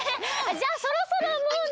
じゃあそろそろもうね。